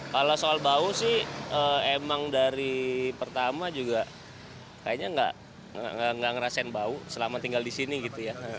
kalau soal bau sih emang dari pertama juga kayaknya nggak ngerasain bau selama tinggal di sini gitu ya